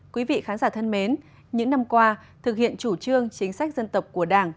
quý vị khán giả thân mến những năm qua thực hiện chủ trương chính sách dân tộc của đảng